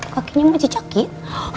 kakinya masih cakit